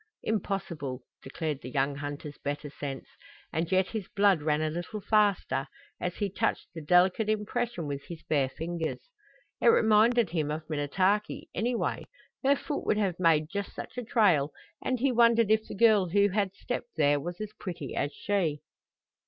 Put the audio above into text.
Impossible, declared the young hunter's better sense. And yet his blood ran a little faster as he touched the delicate impression with his bare fingers. It reminded him of Minnetaki, anyway; her foot would have made just such a trail, and he wondered if the girl who had stepped there was as pretty as she.